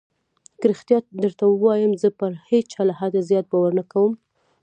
که رښتيا درته ووايم زه پر هېچا له حده زيات باور نه کوم.